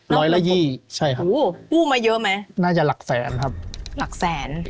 ร้อยละยี่ใช่ครับกู้มาเยอะไหมน่าจะหลักแสนครับหลักแสน